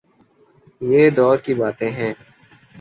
یہ دور کی باتیں ہیں۔